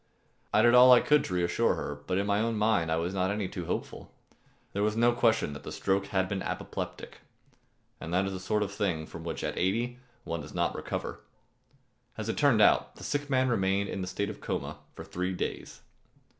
I did all I could to reassure her, but in my own mind I was not any too hopeful. There was no question that the stroke had been apoplectic, and that is the sort of thing from which at eighty one does not recover. As it turned out, the sick man remained in a state of coma for three days.